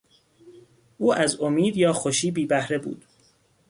او از امید یا خوشی بی بهره بود.